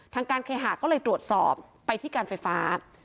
ทางการเคหาก็เลยตรวจสอบไปที่การไฟฟ้า